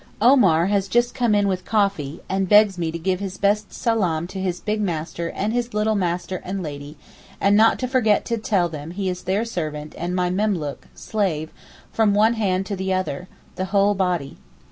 Omar has just come in with coffee, and begs me to give his best salaam to his big master and his little master and lady, and not to forget to tell them he is their servant and my memlook (slave) 'from one hand to the other' (the whole body).